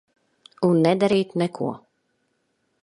Un nedarīt neko.